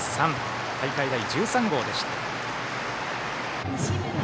大会第１３号でした。